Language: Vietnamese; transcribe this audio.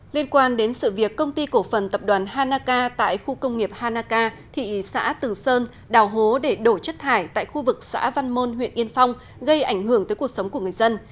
liên quan đến sự việc công ty cổ phần tập đoàn hanaka tại khu công nghiệp hanaka thị xã từ sơn đào hố để đổ chất thải tại khu vực xã văn môn huyện yên phong gây ảnh hưởng tới cuộc sống của người dân